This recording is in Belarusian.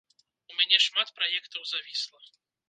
У мяне шмат праектаў завісла.